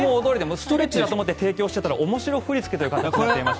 ストレッチだと思って提供していたら面白振り付けということになっていまして。